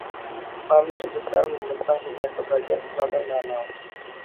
Pamir Besar membentang hingga ke bagian selatan danau.